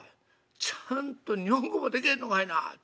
ちゃんと日本語もでけへんのかいな！